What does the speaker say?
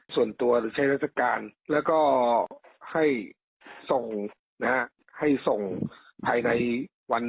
ส่วนตัวรัฐการณ์และให้ส่งภายใน๗วัน